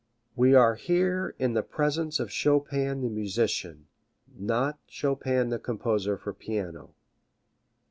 We are here in the presence of Chopin the musician, not Chopin the composer for piano.